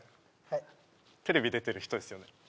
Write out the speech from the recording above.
はいテレビ出てる人ですよね？